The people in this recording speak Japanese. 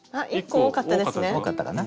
１個多かったですね。